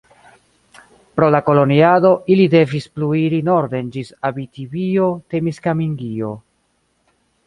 Pro la koloniado ili devis plu iri norden ĝis Abitibio-Temiskamingio.